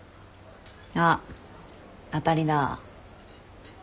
あっ当たりだ。